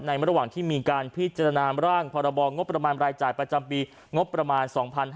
ระหว่างที่มีการพิจารณาร่างพรบงบประมาณรายจ่ายประจำปีงบประมาณ๒๕๕๙